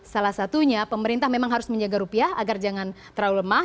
salah satunya pemerintah memang harus menjaga rupiah agar jangan terlalu lemah